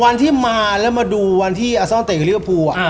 วันที่มาแล้วมาดูวันที่อสเตอร์เตก